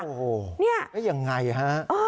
โอ้โหแล้วยังไงฮะ